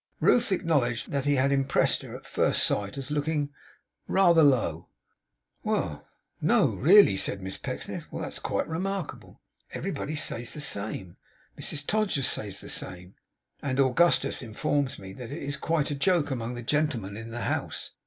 Ruth acknowledged that he had impressed her at first sight as looking 'rather low.' 'No, really?' said Miss Pecksniff. 'Well! that is quite remarkable! Everybody says the same. Mrs Todgers says the same; and Augustus informs me that it is quite a joke among the gentlemen in the house.